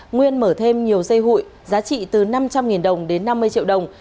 nguyên mở thêm nhiều dây hụi giá trị từ năm trăm linh đồng đến năm mươi triệu đồng